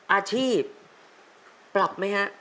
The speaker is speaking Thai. อาชีพปรับไหมฮะ